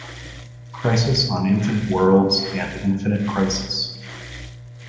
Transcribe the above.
"Crisis on Infinite Worlds" and "Infinite Crisis.